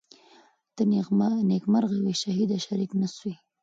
ته نیکمرغه وې شهیده شریک نه سوې